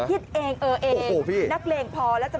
โรดเจ้าเจ้าเจ้าเจ้าเจ้าเจ้าเจ้าเจ้าเจ้าเจ้าเจ้าเจ้าเจ้า